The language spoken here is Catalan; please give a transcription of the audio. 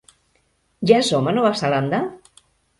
Ja som a Nova Zelanda?